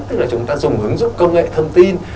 tức là chúng ta dùng hướng dục công nghệ thông tin